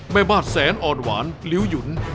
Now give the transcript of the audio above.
แม่บ้านแสนอ่อนหวานลิ้วหยุน